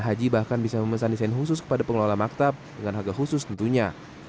haji bahkan bisa memesan desain khusus kepada pengelola maktab dengan harga khusus tentunya